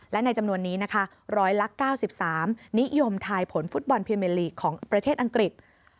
และในจำนวนนี้นะคะร้อยละ๙๓นิยมทายผลฟุตบอลพรีเมลีกของประเทศอังกฤษ